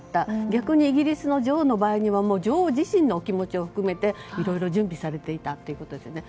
逆にイギリスの女王の場合は女王自身のお気持ちを含めていろいろ準備されていたということですよね。